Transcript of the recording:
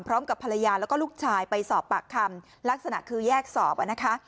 พร้อมกับภรรยาแล้วก็ลูกชายไปสอบปากคำลักษณะคือแยกสอบอ่ะนะคะ